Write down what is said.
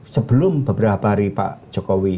sebelum beberapa hari pak jokowi